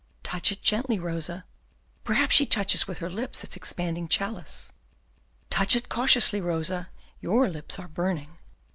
Touch it gently, Rosa. Perhaps she touches with her lips its expanding chalice. Touch it cautiously, Rosa, your lips are burning.